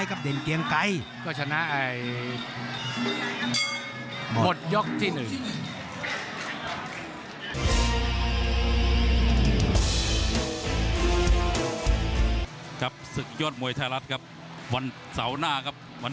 ฟ้ามุงคล